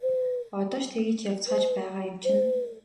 Одоо ч тэгж ярьцгааж байгаа юм чинь!